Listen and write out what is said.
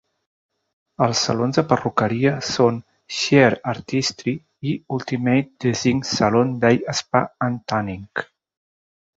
Els salons de perruqueria són Shear Artistry i Ultimate Design Salon Day Spa and Tanning.